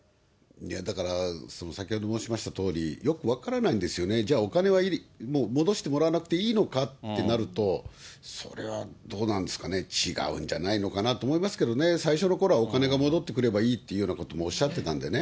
だから、先ほど申しましたとおり、よく分からないんですよね、じゃあ、お金はもう戻してもらわなくていいのかってなると、それはどうなんですかね、違うんじゃないのかなと思いますけどね、最初のころはお金が戻ってくればいいっていうようなこともおっしゃってたんでね。